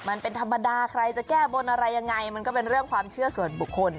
มันเป็นธรรมดาใครจะแก้บนอะไรยังไงมันก็เป็นเรื่องความเชื่อส่วนบุคคล